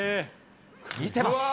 見てます。